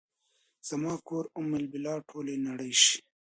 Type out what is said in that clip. زما کور ام البلاد ، ټولې نړۍ شي